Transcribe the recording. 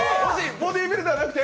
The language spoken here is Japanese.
ボディービルではなくて？